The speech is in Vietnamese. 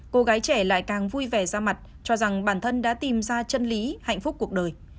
cô gái trẻ lại càng vui vẻ ra mặt cho rằng bản thân đã tìm ra chân lý hạnh phúc cuộc đời